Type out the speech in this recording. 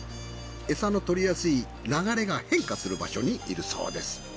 エサのとりやすい流れが変化する場所にいるそうです。